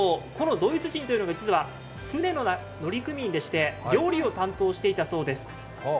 このドイツ人というのが実は船の乗組員でして、料理を担当していたそうです。